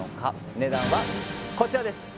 値段はこちらです